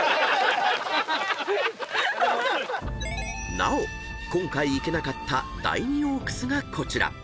［なお今回行けなかった第二大楠がこちら］